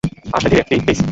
আস্তে ধীরে, টি, প্লিজ!